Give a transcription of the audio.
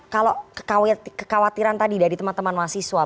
kalau kekhawatiran tadi dari teman teman mahasiswa